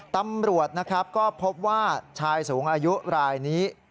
ตำรวจนะครับก็พบว่าชายสูงอายุรายนี้